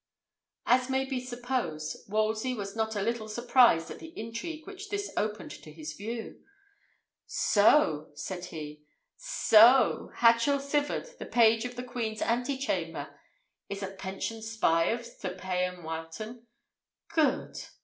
As may be supposed, Wolsey was not a little surprised at the intrigue which this opened to his view. "So!" said he. "So! Hatchel Sivard, the page of the queen's ante chamber, is a pensioned spy of Sir Payan Wileton. Good!